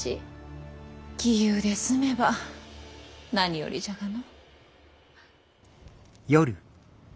杞憂で済めば何よりじゃがの。